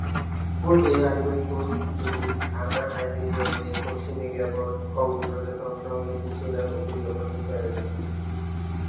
পূর্বে Ivory Coast, Guinea, Ghana, Nigeria হয়ে পশ্চিমে গ্যাবন, কঙ্গো প্রজাতন্ত্র, দক্ষিণ সুদান ও কেনিয়া পর্যন্ত এরা বিস্তৃত।